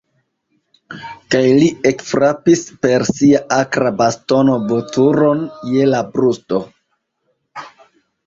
Kaj li ekfrapis per sia akra bastono Vulturon je la brusto.